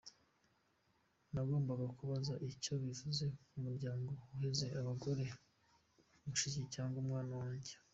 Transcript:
Nagombaga kubaza icyo bivuze ku muryango guheza abagore, mushiki cyangwa umwana wanjye.